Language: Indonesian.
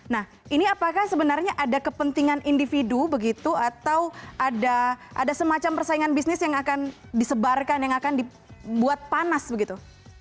nah ini apakah sebenarnya ada kepentingan individu begitu atau ada semacam persaingan bisnis yang akan disebarkan yang akan dibuat panas begitu